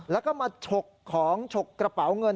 แล้วก็มาฉกของฉกกระเป๋าเงิน